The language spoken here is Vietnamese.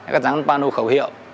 các giáng bano khẩu hiệu